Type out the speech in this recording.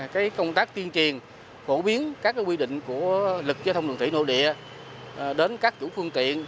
cái công tác tiên triền phổ biến các quy định của lực chế thông đường thủy nội địa đến các chủ phương tiện